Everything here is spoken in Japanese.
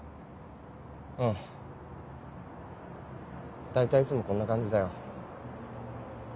うん。大体いつもこんな感じだよ。